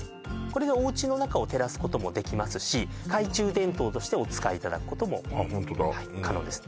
これでおうちの中を照らすこともできますし懐中電灯としてお使いいただくこともあっホントだはい可能です